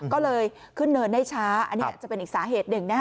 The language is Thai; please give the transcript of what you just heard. ก็เลยขึ้นเนินได้ช้าอันนี้จะเป็นอีกสาเหตุหนึ่ง